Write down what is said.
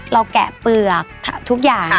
แกะเปลือกทุกอย่าง